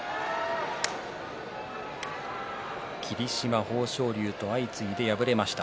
霧島、豊昇龍と相次いで敗れました。